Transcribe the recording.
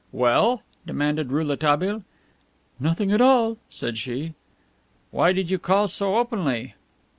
"Well?" demanded Rouletabille. "Nothing at all," said she. "Why did you call so openly?"